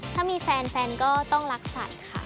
ถ้ามีแฟนแฟนก็ต้องรักสัตว์ค่ะ